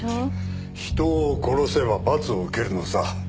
人を殺せば罰を受けるのさ。